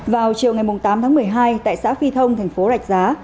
vào chiều ngày tám tháng một mươi hai tại xã phi thông thành phố rạch giá